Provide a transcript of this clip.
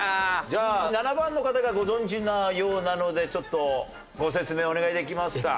じゃあ７番の方がご存じなようなのでちょっとご説明お願いできますか？